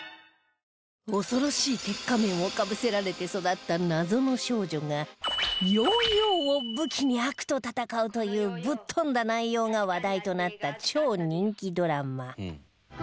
恐ろしい鉄仮面をかぶせられて育った謎の少女がヨーヨーを武器に悪と戦うというぶっ飛んだ内容が話題となった超人気ドラマ